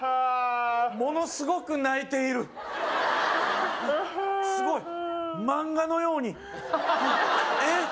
ものすごく泣いているああっすごい漫画のようにえっ？